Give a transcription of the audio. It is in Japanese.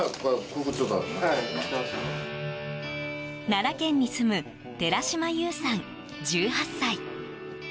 奈良県に住む寺島悠さん、１８歳。